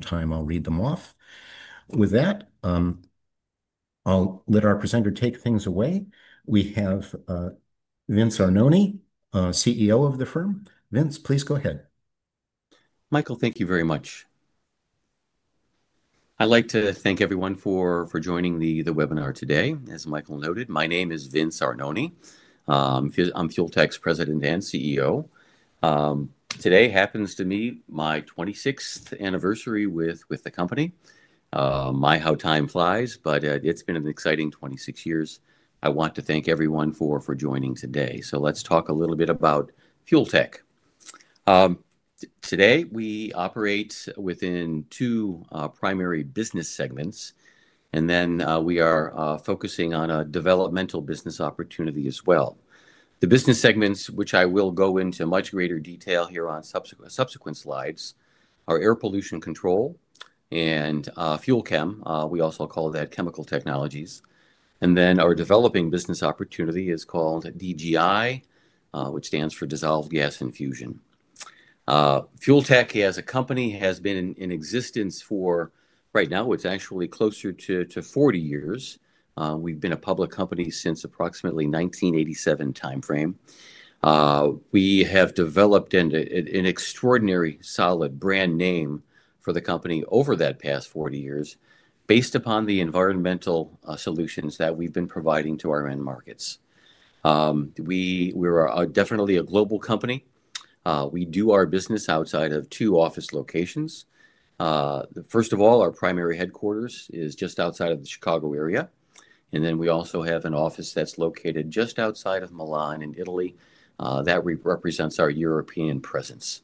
Time, I'll read them off. With that, I'll let our presenter take things away. We have Vince Arnone, CEO of the firm. Vince, please go ahead. Michael, thank you very much. I'd like to thank everyone for joining the webinar today. As Michael noted, my name is Vince Arnone. I'm Fuel Tech's President and CEO. Today happens to be my 26th anniversary with the company. My how time flies, but it's been an exciting 26 years. I want to thank everyone for joining today. Let's talk a little bit about Fuel Tech. Today we operate within two primary business segments, and we are focusing on a developmental business opportunity as well. The business segments, which I will go into much greater detail here on subsequent slides, are air pollution control and FUEL CHEM. We also call that chemical technologies. Our developing business opportunity is called DGI, which stands for Dissolved Gas Infusion. Fuel Tech as a company has been in existence for, right now it's actually closer to 40 years. We've been a public company since approximately 1987 timeframe. We have developed an extraordinary solid brand name for the company over that past 40 years based upon the environmental solutions that we've been providing to our end markets. We're definitely a global company. We do our business outside of two office locations. First of all, our primary headquarters is just outside of the Chicago area. We also have an office that's located just outside of Milan in Italy, that represents our European presence.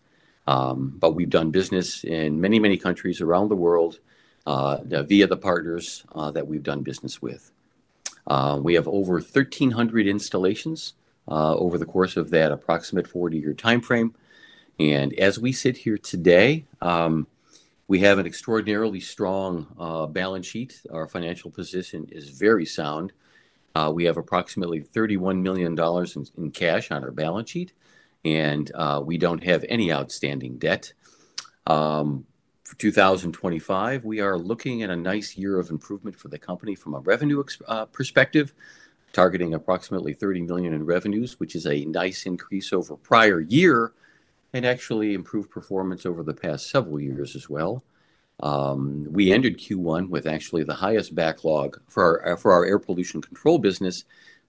We've done business in many, many countries around the world, via the partners that we've done business with. We have over 1,300 installations over the course of that approximate 40-year timeframe. As we sit here today, we have an extraordinarily strong balance sheet. Our financial position is very sound. We have approximately $31 million in cash on our balance sheet, and we do not have any outstanding debt. For 2025, we are looking at a nice year of improvement for the company from a revenue perspective, targeting approximately $30 million in revenues, which is a nice increase over prior year and actually improved performance over the past several years as well. We ended Q1 with actually the highest backlog for our air pollution control business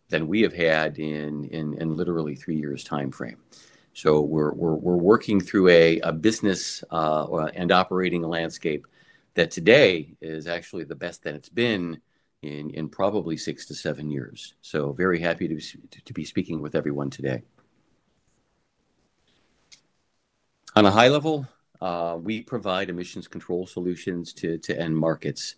than we have had in literally three years' timeframe. We are working through a business and operating a landscape that today is actually the best that it has been in probably six to seven years. Very happy to be speaking with everyone today. On a high level, we provide emissions control solutions to end markets,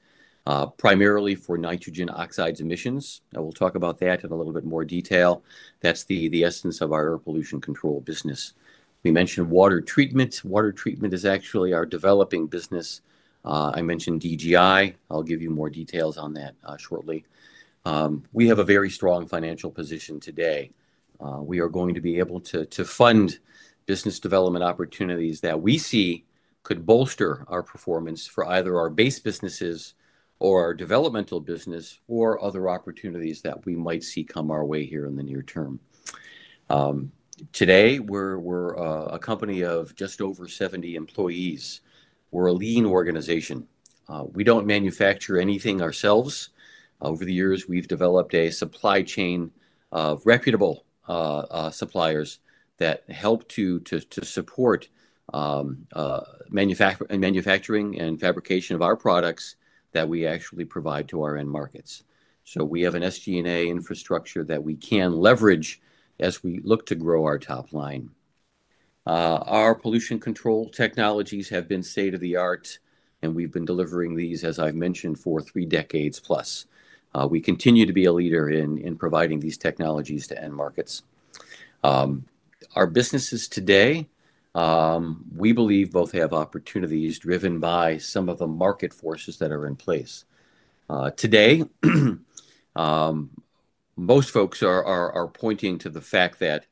primarily for nitrogen oxides emissions. I will talk about that in a little bit more detail. That is the essence of our air pollution control business. We mentioned water treatment. Water treatment is actually our developing business. I mentioned DGI. I'll give you more details on that shortly. We have a very strong financial position today. We are going to be able to fund business development opportunities that we see could bolster our performance for either our base businesses or our developmental business or other opportunities that we might see come our way here in the near term. Today we are a company of just over 70 employees. We are a lean organization. We do not manufacture anything ourselves. Over the years, we've developed a supply chain of reputable suppliers that help to support manufacturing and fabrication of our products that we actually provide to our end markets. We have an SG&A infrastructure that we can leverage as we look to grow our top line. Our pollution control technologies have been state-of-the-art, and we've been delivering these, as I've mentioned, for three decades plus. We continue to be a leader in providing these technologies to end markets. Our businesses today, we believe, both have opportunities driven by some of the market forces that are in place. Today, most folks are pointing to the fact that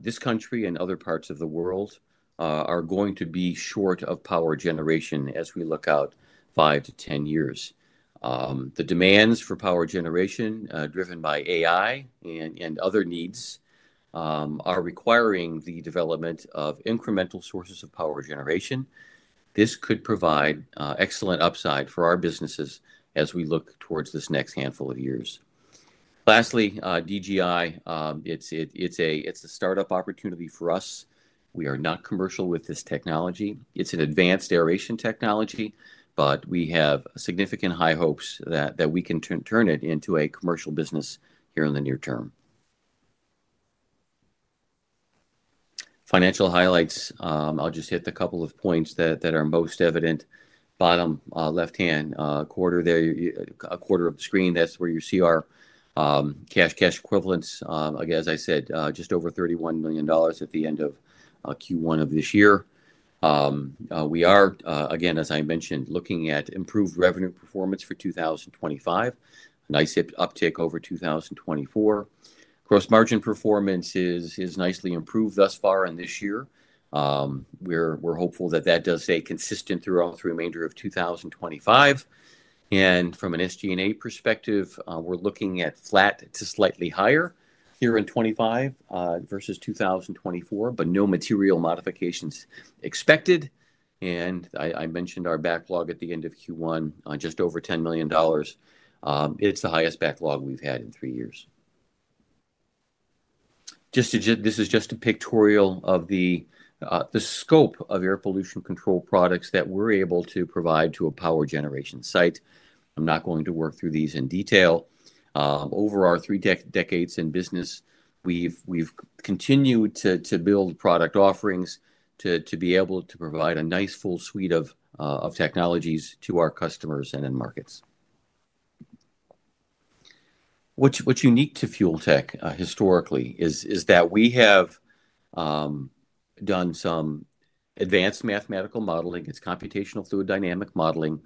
this country and other parts of the world are going to be short of power generation as we look out five to ten years. The demands for power generation, driven by AI and, and other needs, are requiring the development of incremental sources of power generation. This could provide excellent upside for our businesses as we look towards this next handful of years. Lastly, DGI, it's, it, it's a, it's a startup opportunity for us. We are not commercial with this technology. It's an advanced aeration technology, but we have significant high hopes that, that we can turn, turn it into a commercial business here in the near term. Financial highlights. I'll just hit the couple of points that, that are most evident. Bottom, left-hand, quarter there, a quarter of the screen, that's where you see our cash, cash equivalents. Again, as I said, just over $31 million at the end of Q1 of this year. We are, again, as I mentioned, looking at improved revenue performance for 2025, a nice uptick over 2024. Gross margin performance is nicely improved thus far in this year. We're hopeful that that does stay consistent throughout the remainder of 2025. From an SG&A perspective, we're looking at flat to slightly higher here in 2025, versus 2024, but no material modifications expected. I mentioned our backlog at the end of Q1, just over $10 million. It's the highest backlog we've had in three years. This is just a pictorial of the scope of air pollution control products that we're able to provide to a power generation site. I'm not going to work through these in detail. Over our three decades in business, we've continued to build product offerings to be able to provide a nice full suite of technologies to our customers and end markets. What's unique to Fuel Tech, historically, is that we have done some advanced mathematical modeling. It's computational fluid dynamic modeling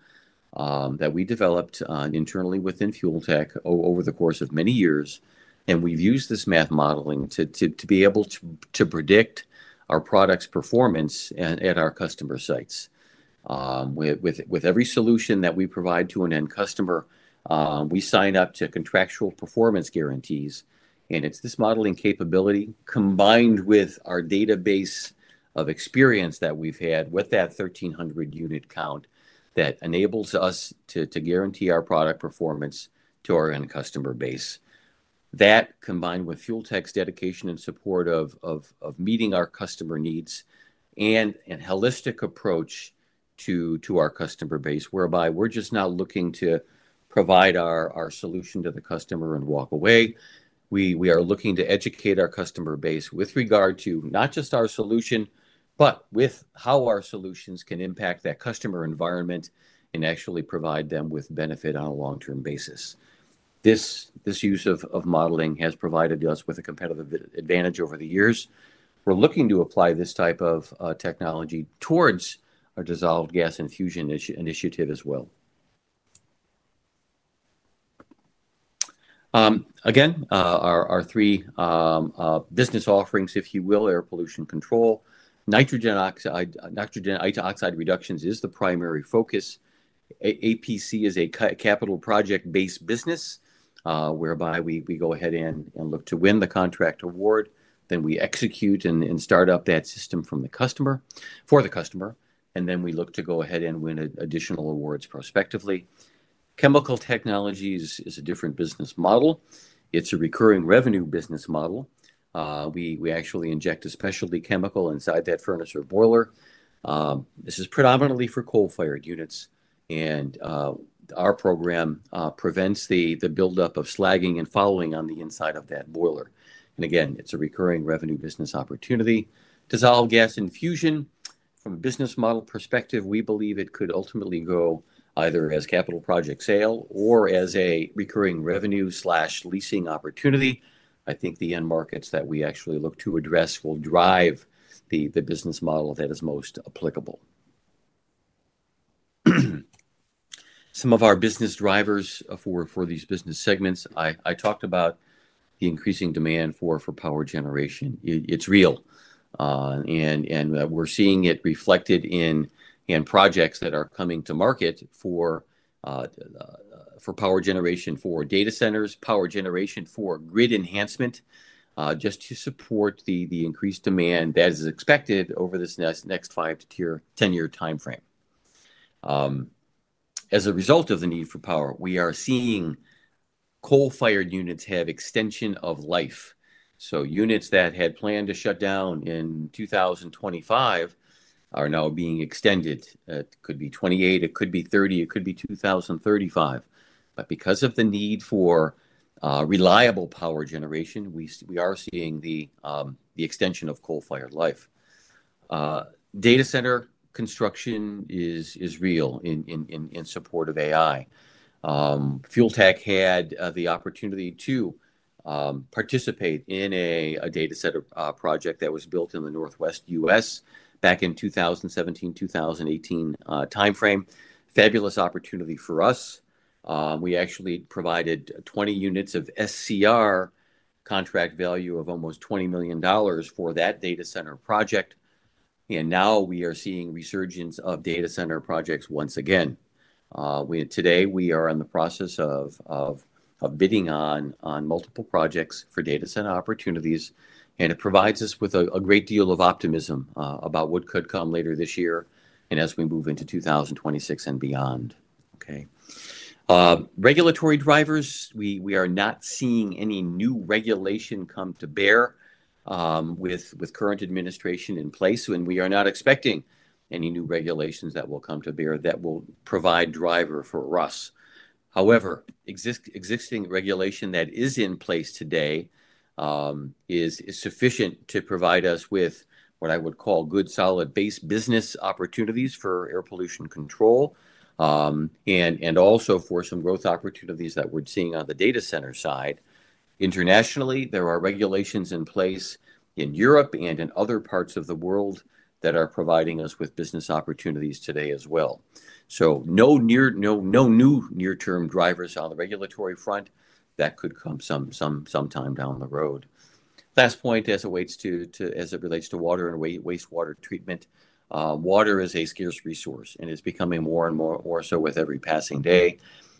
that we developed internally within Fuel Tech over the course of many years. We've used this math modeling to be able to predict our product's performance at our customer sites. With every solution that we provide to an end customer, we sign up to contractual performance guarantees. It's this modeling capability combined with our database of experience that we've had with that 1,300-unit count that enables us to guarantee our product performance to our end customer base. That, combined with Fuel Tech's dedication and support of meeting our customer needs and holistic approach to our customer base, whereby we're just not looking to provide our solution to the customer and walk away. We are looking to educate our customer base with regard to not just our solution, but with how our solutions can impact that customer environment and actually provide them with benefit on a long-term basis. This use of modeling has provided us with a competitive advantage over the years. We're looking to apply this type of technology towards our dissolved gas infusion initiative as well. Again, our three business offerings, if you will, air pollution control, nitrogen oxides reductions is the primary focus. APC is a capital project-based business, whereby we go ahead and look to win the contract award. Then we execute and start up that system for the customer. Then we look to go ahead and win additional awards prospectively. Chemical technologies is a different business model. It's a recurring revenue business model. We actually inject a specialty chemical inside that furnace or boiler. This is predominantly for coal-fired units. Our program prevents the buildup of slagging and fouling on the inside of that boiler. It is a recurring revenue business opportunity. Dissolved gas infusion, from a business model perspective, we believe it could ultimately go either as a capital project sale or as a recurring revenue/leasing opportunity. I think the end markets that we actually look to address will drive the business model that is most applicable. Some of our business drivers for these business segments, I talked about the increasing demand for power generation. It is real. We're seeing it reflected in projects that are coming to market for power generation for data centers, power generation for grid enhancement, just to support the increased demand that is expected over this next five-to-10-year timeframe. As a result of the need for power, we are seeing coal-fired units have extension of life. Units that had planned to shut down in 2025 are now being extended. It could be 2028, it could be 2030, it could be 2035. Because of the need for reliable power generation, we are seeing the extension of coal-fired life. Data center construction is real in support of AI. Fuel Tech had the opportunity to participate in a data center project that was built in the Northwest US back in 2017-2018 timeframe. Fabulous opportunity for us. We actually provided 20 units of SCR contract value of almost $20 million for that data center project. Now we are seeing resurgence of data center projects once again. Today, we are in the process of bidding on multiple projects for data center opportunities. It provides us with a great deal of optimism about what could come later this year and as we move into 2026 and beyond. Okay. Regulatory drivers, we are not seeing any new regulation come to bear with current administration in place. We are not expecting any new regulations that will come to bear that will provide driver for us. However, existing regulation that is in place today is sufficient to provide us with what I would call good solid base business opportunities for air pollution control, and also for some growth opportunities that we're seeing on the data center side. Internationally, there are regulations in place in Europe and in other parts of the world that are providing us with business opportunities today as well. No new near-term drivers on the regulatory front that could come sometime down the road. Last point as it relates to water and wastewater treatment. Water is a scarce resource and is becoming more and more so with every passing day.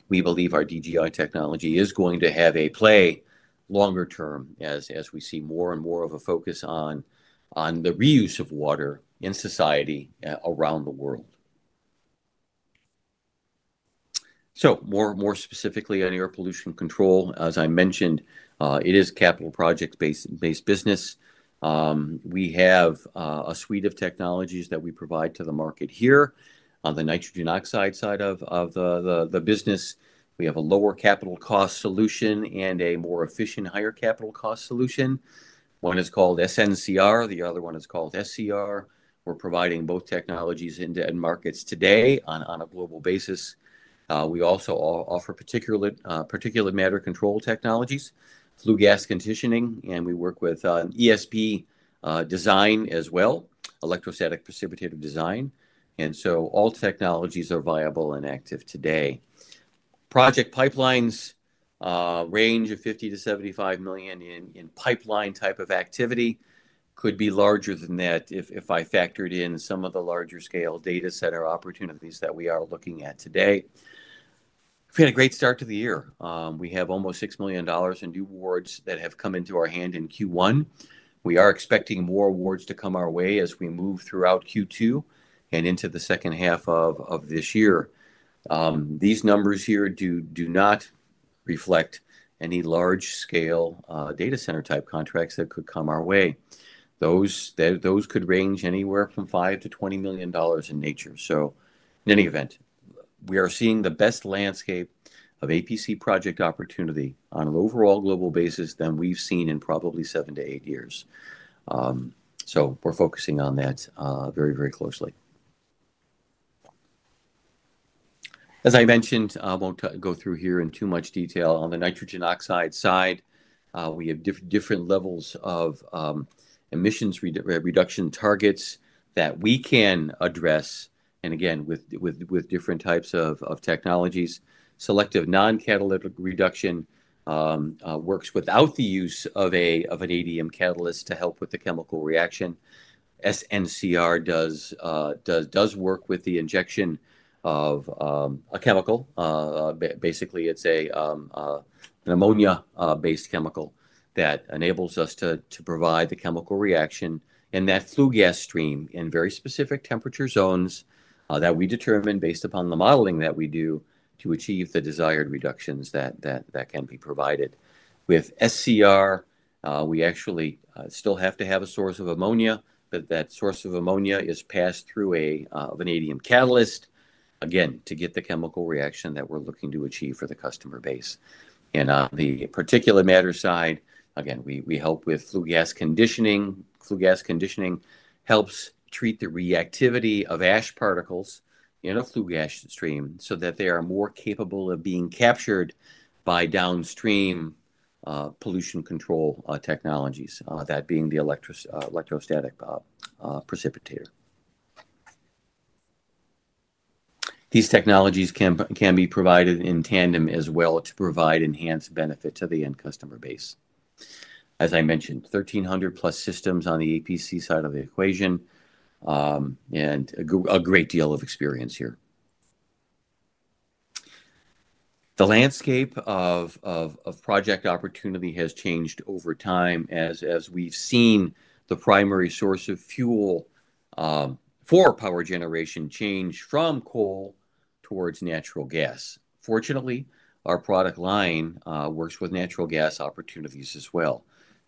We believe our DGI technology is going to have a play longer term as, as we see more and more of a focus on, on the reuse of water in society, around the world. More specifically on air pollution control, as I mentioned, it is a capital project-based business. We have a suite of technologies that we provide to the market here on the nitrogen oxide side of the business. We have a lower capital cost solution and a more efficient, higher capital cost solution. One is called SNCR. The other one is called SCR. We are providing both technologies into end markets today on a global basis. We also offer particulate matter control technologies, flue gas conditioning, and we work with ESP design as well, electrostatic precipitator design. All technologies are viable and active today. Project pipelines, range of $50 million-$75 million in pipeline type of activity, could be larger than that if I factored in some of the larger scale data center opportunities that we are looking at today. We had a great start to the year. We have almost $6 million in new awards that have come into our hand in Q1. We are expecting more awards to come our way as we move throughout Q2 and into the second half of this year. These numbers here do not reflect any large scale data center type contracts that could come our way. Those could range anywhere from $5 million-$20 million in nature. In any event, we are seeing the best landscape of APC project opportunity on an overall global basis than we've seen in probably seven to eight years. We're focusing on that very, very closely. As I mentioned, I won't go through here in too much detail. On the nitrogen oxide side, we have different levels of emissions reduction targets that we can address. Again, with different types of technologies, selective non-catalytic reduction works without the use of an SCR catalyst to help with the chemical reaction. SNCR works with the injection of a chemical. Basically, it's an ammonia-based chemical that enables us to provide the chemical reaction in that flue gas stream in very specific temperature zones that we determine based upon the modeling that we do to achieve the desired reductions that can be provided. With SCR, we actually still have to have a source of ammonia, but that source of ammonia is passed through an SCR catalyst, again, to get the chemical reaction that we're looking to achieve for the customer base. On the particulate matter side, again, we help with flue gas conditioning. Flue gas conditioning helps treat the reactivity of ash particles in a flue gas stream so that they are more capable of being captured by downstream pollution control technologies, that being the electrostatic precipitator. These technologies can be provided in tandem as well to provide enhanced benefit to the end customer base. As I mentioned, 1,300+ systems on the APC side of the equation, and a great deal of experience here. The landscape of project opportunity has changed over time as we've seen the primary source of fuel for power generation change from coal towards natural gas. Fortunately, our product line works with natural gas opportunities as well.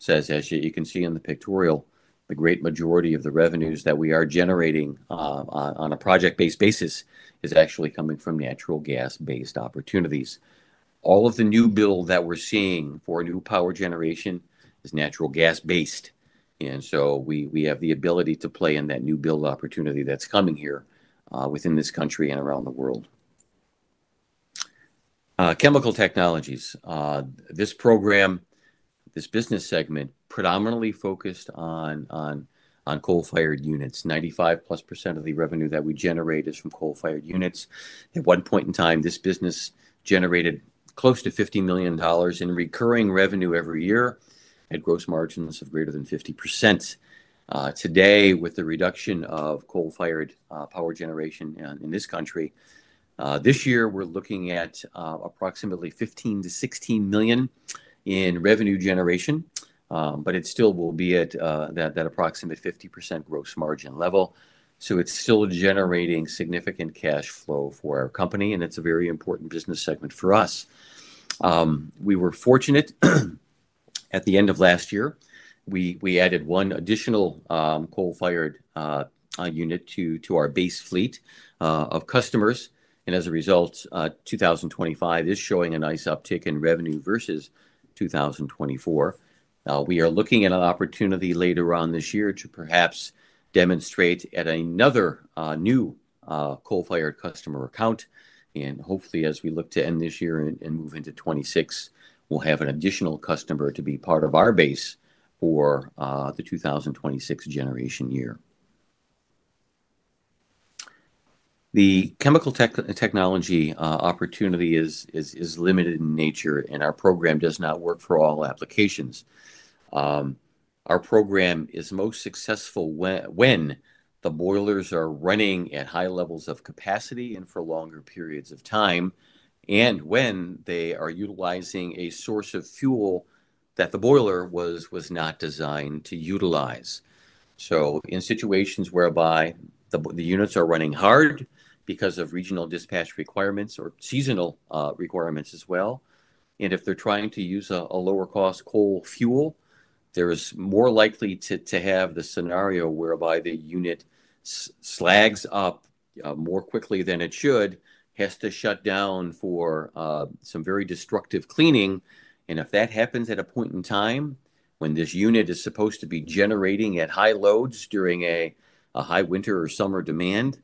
As you can see in the pictorial, the great majority of the revenues that we are generating on a project-based basis is actually coming from natural gas-based opportunities. All of the new build that we're seeing for new power generation is natural gas-based. We have the ability to play in that new build opportunity that's coming here, within this country and around the world. Chemical technologies, this program, this business segment predominantly focused on coal-fired units. 95+% of the revenue that we generate is from coal-fired units. At one point in time, this business generated close to $50 million in recurring revenue every year at gross margins of greater than 50%. Today, with the reduction of coal-fired power generation in this country, this year, we're looking at approximately $15-$16 million in revenue generation. It still will be at that approximate 50% gross margin level. It is still generating significant cash flow for our company. It is a very important business segment for us. We were fortunate at the end of last year. We added one additional coal-fired unit to our base fleet of customers. As a result, 2025 is showing a nice uptick in revenue versus 2024. We are looking at an opportunity later on this year to perhaps demonstrate at another new coal-fired customer account. Hopefully, as we look to end this year and move into 2026, we'll have an additional customer to be part of our base for the 2026 generation year. The chemical technology opportunity is limited in nature, and our program does not work for all applications. Our program is most successful when the boilers are running at high levels of capacity and for longer periods of time, and when they are utilizing a source of fuel that the boiler was not designed to utilize. In situations whereby the units are running hard because of regional dispatch requirements or seasonal requirements as well, and if they're trying to use a lower cost coal fuel, they're more likely to have the scenario whereby the unit slags up more quickly than it should and has to shut down for some very destructive cleaning. If that happens at a point in time when this unit is supposed to be generating at high loads during a high winter or summer demand,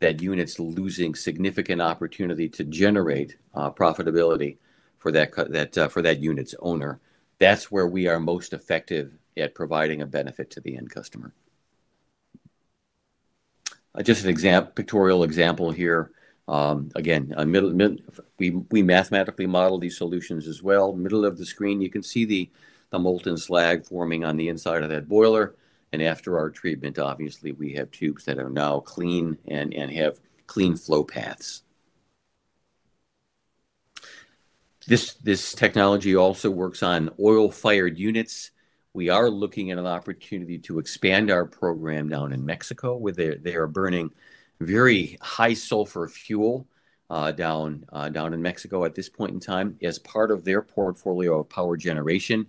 that unit's losing significant opportunity to generate profitability for that unit's owner. That is where we are most effective at providing a benefit to the end customer. Just an example, pictorial example here. Again, we mathematically model these solutions as well. Middle of the screen, you can see the molten slag forming on the inside of that boiler. After our treatment, we have tubes that are now clean and have clean flow paths. This technology also works on oil-fired units. We are looking at an opportunity to expand our program down in Mexico, where they are burning very high sulfur fuel, down in Mexico at this point in time as part of their portfolio of power generation.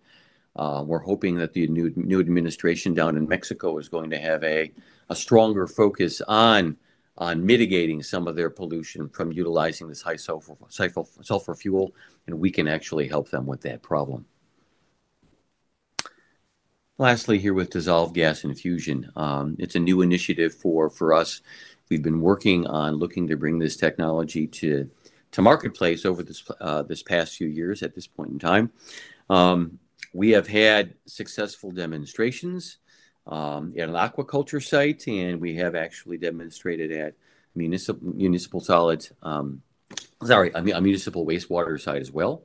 We are hoping that the new administration down in Mexico is going to have a stronger focus on mitigating some of their pollution from utilizing this high sulfur fuel. We can actually help them with that problem. Lastly, here with dissolved gas infusion, it's a new initiative for us. We've been working on looking to bring this technology to marketplace over this past few years at this point in time. We have had successful demonstrations at an aquaculture site, and we have actually demonstrated at a municipal wastewater site as well.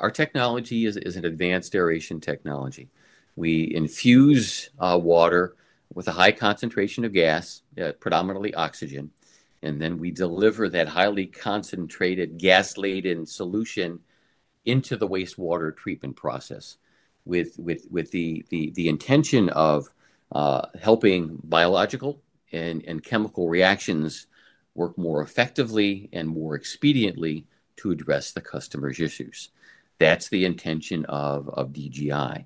Our technology is an advanced aeration technology. We infuse water with a high concentration of gas, predominantly oxygen, and then we deliver that highly concentrated gas-laden solution into the wastewater treatment process with the intention of helping biological and chemical reactions work more effectively and more expediently to address the customer's issues. That's the intention of DGI.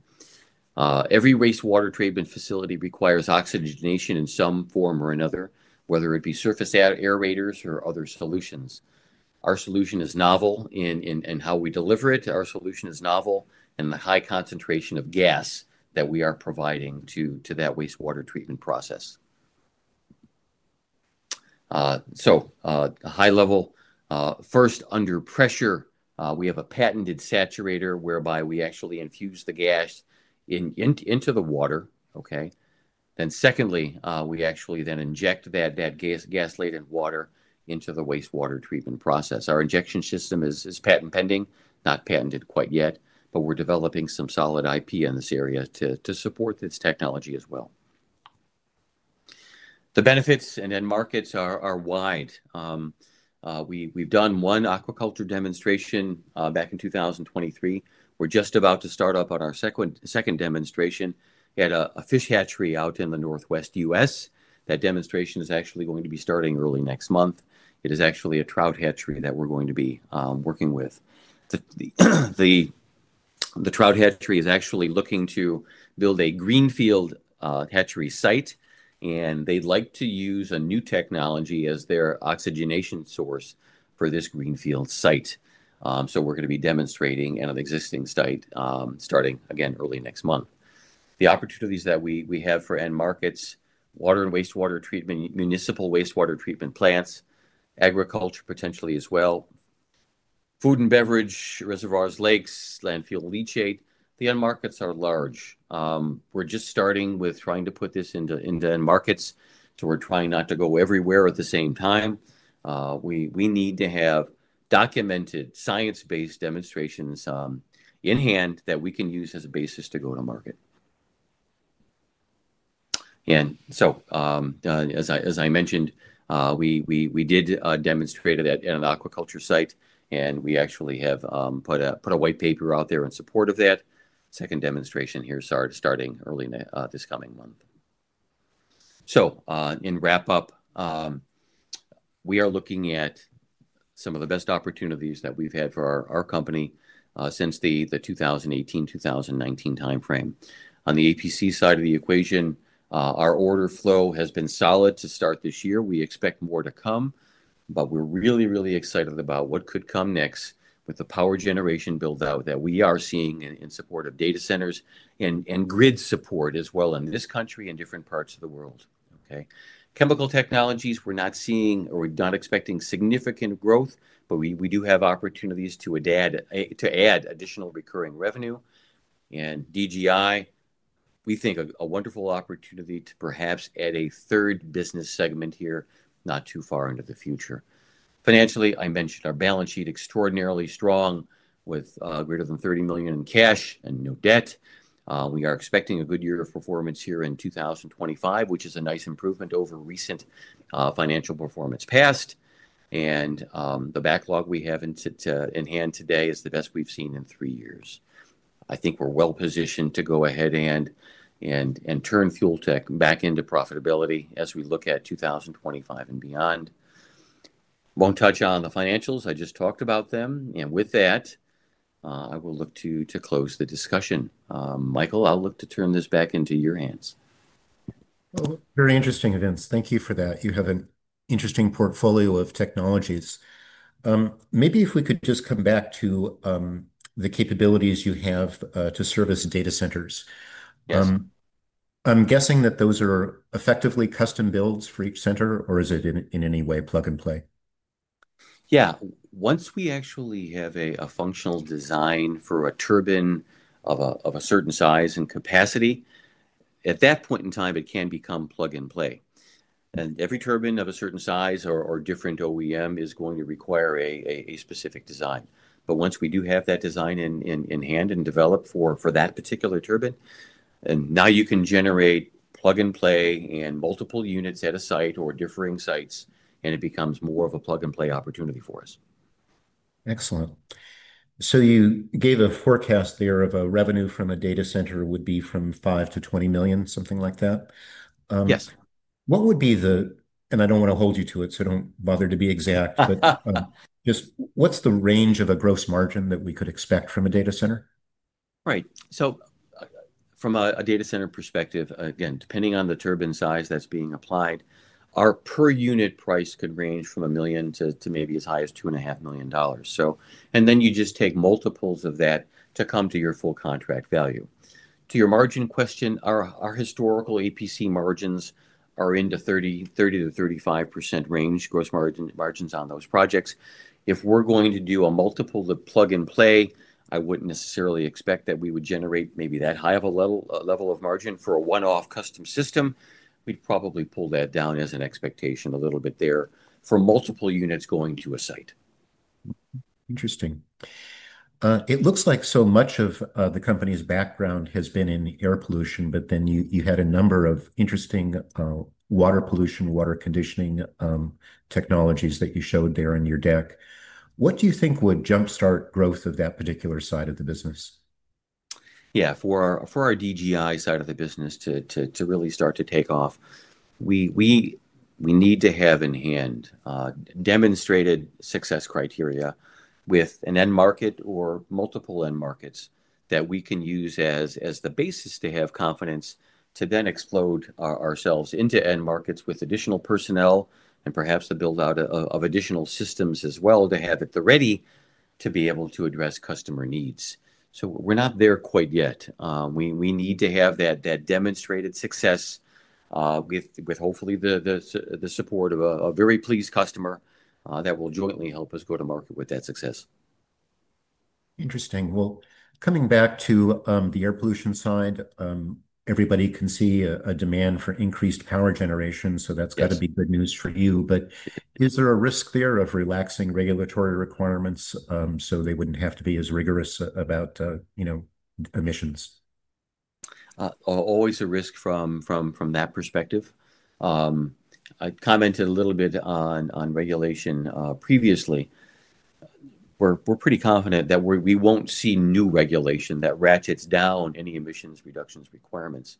Every wastewater treatment facility requires oxygenation in some form or another, whether it be surface aerators or other solutions. Our solution is novel in how we deliver it. Our solution is novel in the high concentration of gas that we are providing to that wastewater treatment process. At a high level, first under pressure, we have a patented saturator whereby we actually infuse the gas into the water. Okay. Then secondly, we actually then inject that gas-laden water into the wastewater treatment process. Our injection system is patent pending, not patented quite yet, but we're developing some solid IP in this area to support this technology as well. The benefits and markets are wide. We have done one aquaculture demonstration back in 2023. We're just about to start up on our second demonstration at a fish hatchery out in the Northwest US. That demonstration is actually going to be starting early next month. It is actually a trout hatchery that we're going to be working with. The trout hatchery is actually looking to build a greenfield hatchery site, and they'd like to use a new technology as their oxygenation source for this greenfield site. We are going to be demonstrating at an existing site, starting again early next month. The opportunities that we have for end markets, water and wastewater treatment, municipal wastewater treatment plants, agriculture potentially as well, food and beverage reservoirs, lakes, landfill, leachate. The end markets are large. We're just starting with trying to put this into end markets. We need to have documented science-based demonstrations in hand that we can use as a basis to go to market. As I mentioned, we did demonstrate that at an aquaculture site, and we actually have put a white paper out there in support of that second demonstration here, starting early in this coming month. In wrap up, we are looking at some of the best opportunities that we've had for our company since the 2018-2019 timeframe. On the APC side of the equation, our order flow has been solid to start this year. We expect more to come, but we're really, really excited about what could come next with the power generation buildout that we are seeing in, in support of data centers and, and grid support as well in this country and different parts of the world. Chemical technologies, we're not seeing or we're not expecting significant growth, but we do have opportunities to add additional recurring revenue. And DGI, we think a wonderful opportunity to perhaps add a third business segment here not too far into the future. Financially, I mentioned our balance sheet extraordinarily strong with greater than $30 million in cash and no debt. We are expecting a good year of performance here in 2025, which is a nice improvement over recent financial performance past. The backlog we have in hand today is the best we have seen in three years. I think we are well positioned to go ahead and turn Fuel Tech back into profitability as we look at 2025 and beyond. I will not touch on the financials. I just talked about them. With that, I will look to close the discussion. Michael, I will look to turn this back into your hands. Very interesting events. Thank you for that. You have an interesting portfolio of technologies. Maybe if we could just come back to the capabilities you have to service data centers. Yes. I am guessing that those are effectively custom builds for each center, or is it in any way plug and play? Yeah. Once we actually have a functional design for a turbine of a certain size and capacity, at that point in time, it can become plug and play. Every turbine of a certain size or different OEM is going to require a specific design. Once we do have that design in hand and developed for that particular turbine, now you can generate plug and play and multiple units at a site or differing sites, and it becomes more of a plug and play opportunity for us. Excellent. You gave a forecast there of revenue from a data center would be from $5 million-$20 million, something like that. Yes. What would be the, and I don't wanna hold you to it, so don't bother to be exact, but, just what's the range of a gross margin that we could expect from a data center? Right. From a data center perspective, again, depending on the turbine size that's being applied, our per unit price could range from $1 million to maybe as high as $2.5 million. You just take multiples of that to come to your full contract value. To your margin question, our historical APC margins are in the 30-35% range, gross margin margins on those projects. If we're going to do a multiple plug and play, I wouldn't necessarily expect that we would generate maybe that high of a level, level of margin for a one-off custom system. We'd probably pull that down as an expectation a little bit there for multiple units going to a site. Interesting. It looks like so much of the company's background has been in air pollution, but then you had a number of interesting water pollution, water conditioning technologies that you showed there in your deck. What do you think would jumpstart growth of that particular side of the business? Yeah. For our DGI side of the business to really start to take off, we need to have in hand demonstrated success criteria with an end market or multiple end markets that we can use as the basis to have confidence to then explode ourselves into end markets with additional personnel and perhaps the buildout of additional systems as well to have at the ready to be able to address customer needs. We're not there quite yet. We need to have that demonstrated success, with hopefully the support of a very pleased customer that will jointly help us go to market with that success. Interesting. Coming back to the air pollution side, everybody can see a demand for increased power generation. That's gotta be good news for you. Is there a risk there of relaxing regulatory requirements, so they wouldn't have to be as rigorous about, you know, emissions? Always a risk from that perspective. I commented a little bit on regulation previously. We're pretty confident that we won't see new regulation that ratchets down any emissions reductions requirements.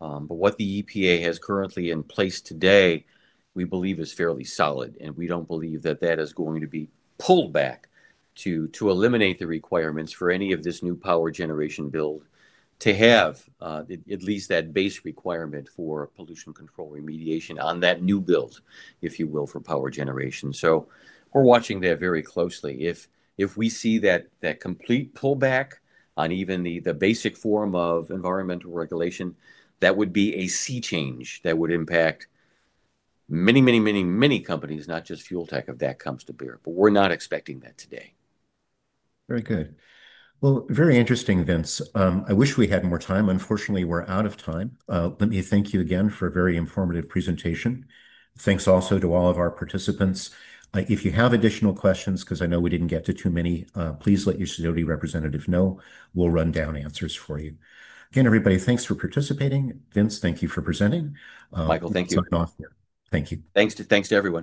What the EPA has currently in place today, we believe is fairly solid, and we don't believe that that is going to be pulled back to eliminate the requirements for any of this new power generation build to have at least that base requirement for pollution control remediation on that new build, if you will, for power generation. We are watching that very closely. If we see that complete pullback on even the basic form of environmental regulation, that would be a sea change that would impact many, many, many companies, not just Fuel Tech, if that comes to bear. We are not expecting that today. Very good. Very interesting, Vince. I wish we had more time. Unfortunately, we are out of time. Let me thank you again for a very informative presentation. Thanks also to all of our participants. If you have additional questions, 'cause I know we didn't get to too many, please let your COD representative know. We'll run down answers for you. Again, everybody, thanks for participating. Vince, thank you for presenting. Michael, thank you. Thank you. Thanks to everyone.